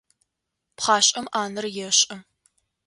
Пхъашӏэм ӏанэр ешӏы.